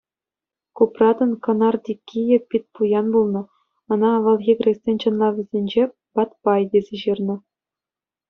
Купратӑн кӑнар-тиккийӗ Питпуян пулнӑ, ӑна авалхи грексен чӑнлавӗсенче Батбай тесе ҫырнӑ.